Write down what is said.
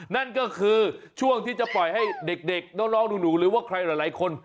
นั่นก็คือช่วงที่จะปล่อยให้เด็กน้องหนูหรือว่าใครหลายคน